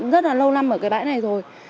rất là lâu năm ở cái bãi này rồi